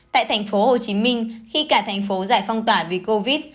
tại thành phố hồ chí minh khi cả thành phố giải phong tỏa vì covid